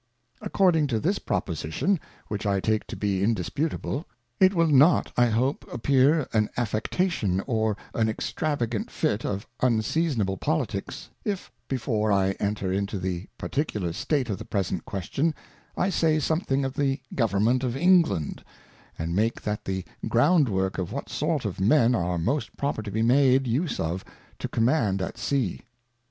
According to this Proposition, which I take to be indisputable, it will not I hope appear an Affecta tion, or an extravagant Fit of unseasonable Politicks, if, before I enter into the particular State of the present Question, I say something of the Government of England, and make that the Ground work of what sort of Men are most proper to be made use of to Command at Sea.